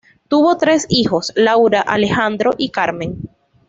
Tuvo tres hijos: Laura, Alejandro y Carmen.